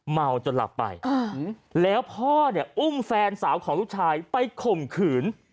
เมาจนหลับไปแล้วพ่อเนี่ยอุ้มแฟนสาวของลูกชายไปข่มขืน